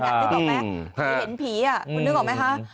อยากได้ตอบไหมคุณเห็นผีอ่ะคุณนึกออกไหมคะ